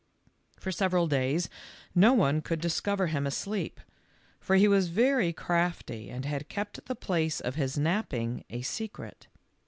For several days no one could discover him asleep, for he was very crafty and had kept the place of his napping a secret.